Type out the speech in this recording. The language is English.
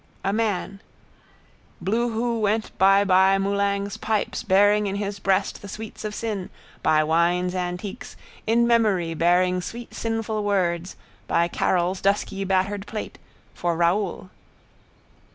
A man. Bloowho went by by Moulang's pipes bearing in his breast the sweets of sin, by Wine's antiques, in memory bearing sweet sinful words, by Carroll's dusky battered plate, for Raoul.